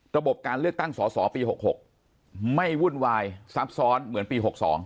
ระบบการเลือกตั้งสอสอปี๖๖ไม่วุ่นวายซับซ้อนเหมือนปี๖๒